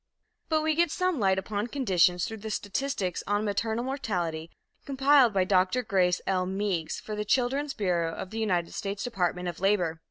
But we get some light upon conditions through the statistics on maternal mortality, compiled by Dr. Grace L. Meigs, for the Children's Bureau of the United States Department of Labor.